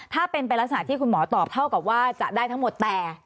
ถ้าเป็นไปลักษณะที่คุณหมอตอบเท่ากับว่าจะได้ทั้งหมดแต่